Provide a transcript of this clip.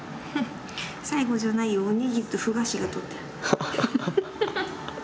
最後じゃないよおにぎりとふ菓子がとってある。